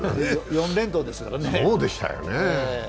４連投でしたからね。